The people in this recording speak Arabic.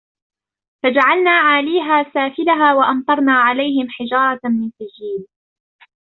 فجعلنا عاليها سافلها وأمطرنا عليهم حجارة من سجيل